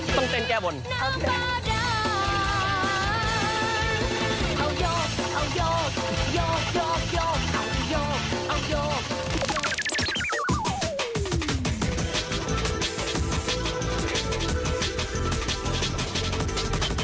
ต้องเต้นแก้วบน